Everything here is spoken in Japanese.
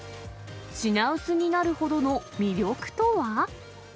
品薄になるほどの魅力とは？